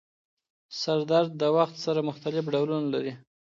سردرد د وخت سره مختلف ډولونه لري.